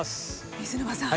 水沼さん